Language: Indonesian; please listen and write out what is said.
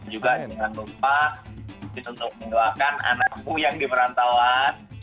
juga jangan lupa untuk mendoakan anakku yang di perantauan